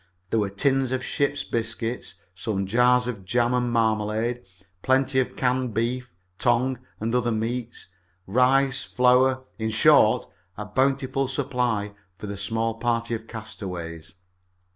There were tins of ship's biscuits, some jars of jam and marmalade, plenty of canned beef, tongue and other meats, rice, flour in short, a bountiful supply for the small party of castaways.